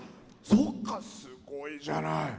そっか、すごいじゃない！